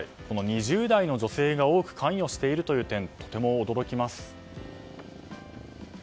２０代の女性が多く関与しているという点とても驚きます。